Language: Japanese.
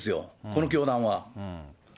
この教団は。